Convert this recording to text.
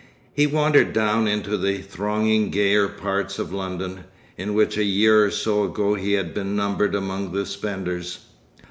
He wandered down into the thronging gayer parts of London, in which a year or so ago he had been numbered among the spenders.